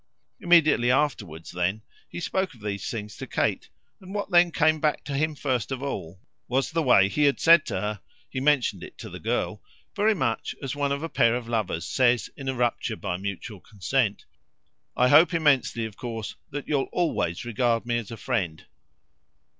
Immediately afterwards then he was to speak of these things to Kate, and what by that time came back to him first of all was the way he had said to her he mentioned it to the girl very much as one of a pair of lovers says in a rupture by mutual consent: "I hope immensely of course that you'll always regard me as a friend."